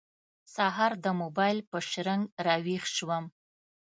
سهار د موبایل په شرنګ راوېښ شوم.